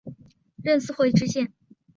任四会知县。